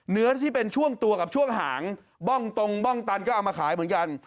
เนื้อที่เป็นช่วงตัวกับช่วงหางบ้องตรงบ้องตันก็เอามาขายเหมือนกัน